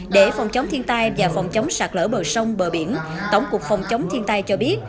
để phòng chống thiên tai và phòng chống sạt lỡ bờ sông bờ biển tổng cục phòng chống thiên tai cho biết